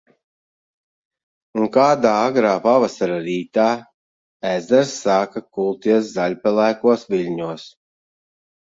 Un kādā agrā pavasara rītā, ezers sāka kulties zaļpelēkos viļņos.